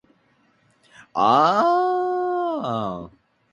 あああああああああああああああああああ